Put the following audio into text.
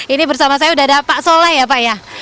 ini bersama saya sudah ada pak soleh ya pak ya